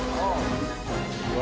うわ！